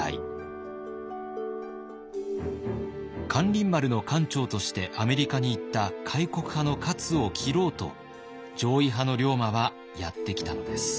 咸臨丸の艦長としてアメリカに行った開国派の勝を斬ろうと攘夷派の龍馬はやって来たのです。